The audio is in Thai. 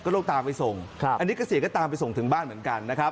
ก็เลยตามไปส่งอันนี้ก็ตามไปส่งถึงบ้านเหมือนกัน